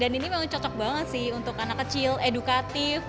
dan ini memang cocok banget sih untuk anak kecil edukatif